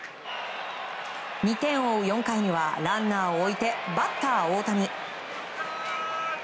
２点を追う４回にはランナーを置いてバッター大谷。